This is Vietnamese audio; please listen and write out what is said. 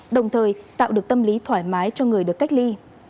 đồng thời tạo được tâm lý thoải mái cho người được cách ly